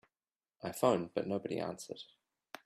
I phoned but nobody answered.